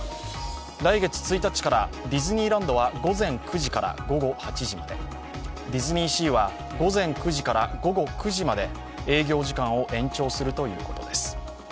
来月１日からディズニーランドは午前９時から午後８時までディズニーシーは午前９時から午後９時まで営業時間を延長するということです。